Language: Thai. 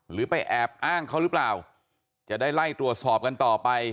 หรือไปแอบอ้างเขาหรือเปล่าจะได้ไล่ตรวจสอบกันต่อไป